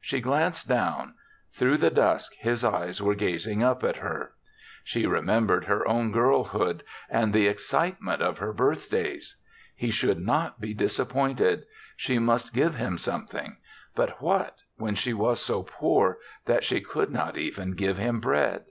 She glanced down; through the dusk his eyes were gazing up at her. She remem bered her own girlhood and the ex THE SEVENTH CHRISTMAS ig citement of her birthdays. He should not be disappointed. She must give him something; but what, when she was so poor that she could not even give him bread?